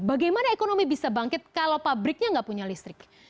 bagaimana ekonomi bisa bangkit kalau pabriknya nggak punya listrik